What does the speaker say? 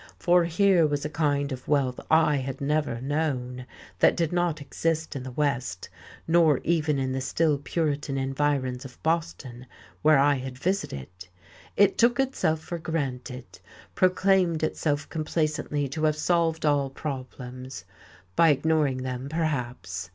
For here was a kind of wealth I had never known, that did not exist in the West, nor even in the still Puritan environs of Boston where I had visited. It took itself for granted, proclaimed itself complacently to have solved all problems. By ignoring them, perhaps.